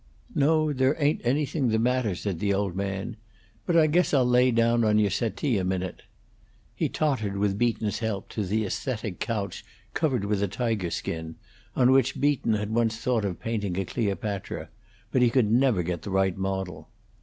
"No, there ain't anything the matter," said the old man. "But I guess I'll lay down on your settee a minute." He tottered with Beaton's help to the aesthetic couch covered with a tiger skin, on which Beaton had once thought of painting a Cleopatra; but he could never get the right model.